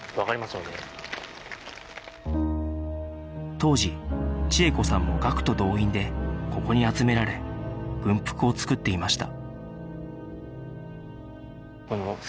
当時千枝子さんも学徒動員でここに集められ軍服を作っていました